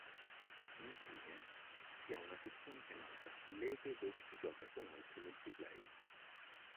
Infine, si ha una sezione chiamata leghe dove si gioca con altri multiplayer.